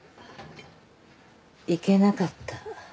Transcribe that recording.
いけなかった？